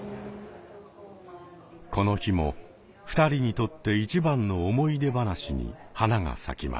この日も２人にとって一番の思い出話に花が咲きます。